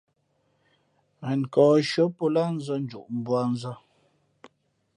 Ghen nkᾱᾱ nshʉ̄ᾱ pō lǎh nzᾱ njoʼ mbuānzᾱ.